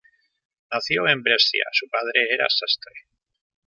Nació en Brescia, su padre era sastre.